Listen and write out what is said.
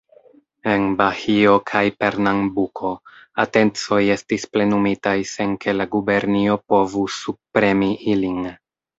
En Bahio kaj Pernambuko, atencoj estis plenumitaj sen ke la gubernio povus subpremi ilin.